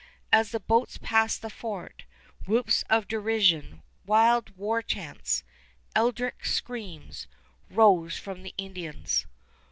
As the boats passed the fort, whoops of derision, wild war chants, eldritch screams, rose from the Indians.